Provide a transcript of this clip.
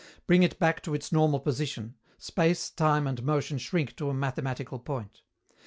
Bring it back to its normal position: space, time and motion shrink to a mathematical point.